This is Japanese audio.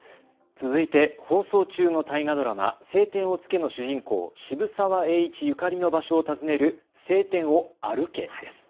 続いて放送中の大河ドラマ、青天を衝けの主人公、渋沢栄一ゆかりの場所を訪ねる青天を歩けです。